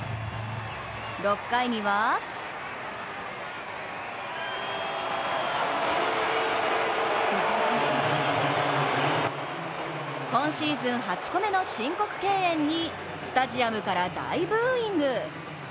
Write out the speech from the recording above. ６回には今シーズン８個目の申告敬遠にスタジアムから大ブーイング。